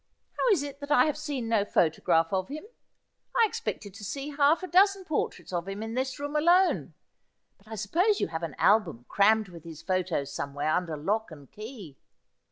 ' How is it that I have seen no photograph of him ? I ex pected to see ha ]Ja dozen portraits of him in this room alone ; 50 Asphodel. but I suppose you have an album crammed with his photos some where under lock and key.'